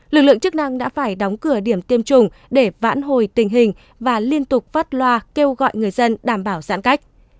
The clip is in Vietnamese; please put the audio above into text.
lực lượng chức năng đã phải đóng cửa điểm tiêm chủng để vãn hồi tình hình và liên tục phát loa kêu gọi người dân đảm bảo giãn cách